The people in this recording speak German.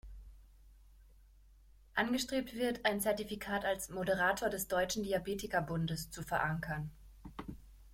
Angestrebt wird, ein Zertifikat als "Moderator des Deutschen Diabetiker Bundes" zu verankern.